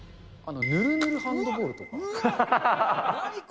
ぬるぬるハンドボールとか。